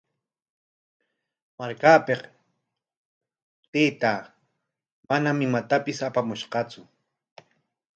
Markapik taytaa manam imatapis apamushqatsu.